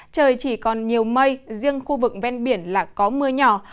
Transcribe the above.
trời chỉ còn nhiều mây riêng khu vực ven biển là có mưa nhỏ